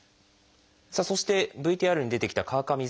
そしてＶＴＲに出てきた川上さん。